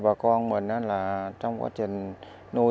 bà con mình là trong quá trình nuôi